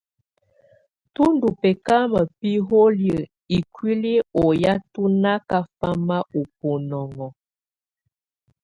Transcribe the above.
Tù ndù bɛkamɔ̀ biholiǝ́ ikuili ɔ́ ya tù na kafama ù bunɔŋɔ.